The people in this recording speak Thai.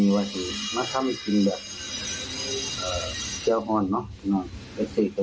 อัวศันเข้าเช้าอีกแล้วขออภัยนะคุณผู้ชมครับ